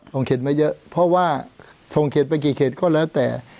เขตมาเยอะเพราะว่าส่งเขตไปกี่เขตก็แล้วแต่